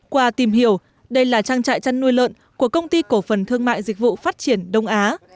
qua tìm hiểu đây là trang trại chăn nuôi lợn của công ty cổ phần thương mại dịch vụ phát triển đông á